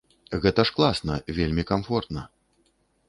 Гэта ж класна, вельмі камфортна.